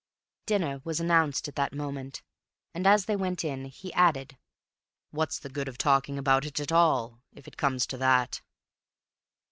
Dinner was announced at that moment, and as they went in, he added, "What's the good of talking about it at all, if it comes to that?"